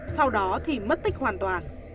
sau đó thì mất tích hoàn toàn